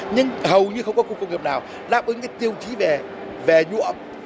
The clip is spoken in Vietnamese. nhưng hầu như không có khu công nghiệp nào đáp ứng cái tiêu chí về nhuộm